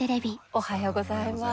おはようございます。